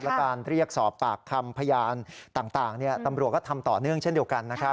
และการเรียกสอบปากคำพยานต่างตำรวจก็ทำต่อเนื่องเช่นเดียวกันนะครับ